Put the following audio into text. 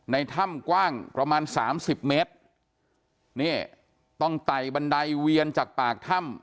ในถ้ำกว้างประมาณสามสิบเมตรนี่ต้องไต่บันไดเวียนจากปากถ้ำ